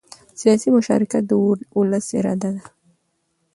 سیاسي مشارکت د ولس اراده ده